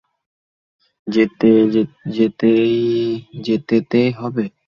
যেতে তে হবেই।